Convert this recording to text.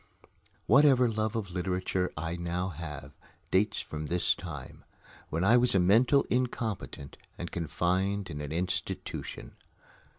Whatever love of literature I now have dates from this time, when I was a mental incompetent and confined in an institution.